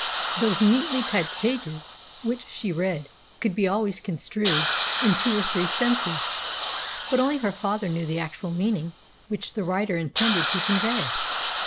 Those neatly typed pages which she read could be always construed in two or three senses. But only her father knew the actual meaning which the writer intended to convey.